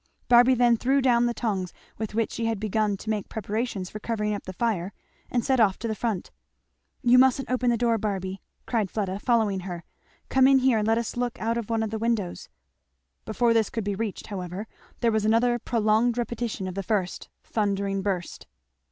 Barby then threw down the tongs with which she had begun to make preparations for covering up the fire and set off to the front. "You mustn't open the door, Barby," cried Fleda, following her. "Come in here and let us look out of one of the windows." Before this could be reached however, there was another prolonged repetition of the first thundering burst.